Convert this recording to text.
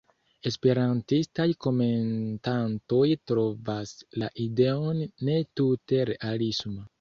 Esperantistaj komentantoj trovas la ideon ne tute realisma.